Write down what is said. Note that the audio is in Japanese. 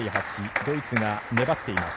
ドイツが粘っています